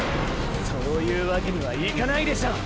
そういうわけにはいかないでしょ！